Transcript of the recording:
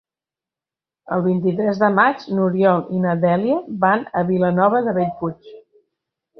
El vint-i-tres de maig n'Oriol i na Dèlia van a Vilanova de Bellpuig.